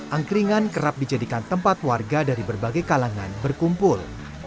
angkringan kerap dijadikan tempat warga dari berbagai kalangan berkumpul